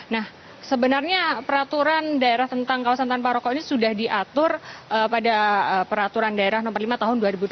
nah sebenarnya peraturan daerah tentang kawasan tanpa rokok ini sudah diatur pada peraturan daerah nomor lima tahun dua ribu delapan belas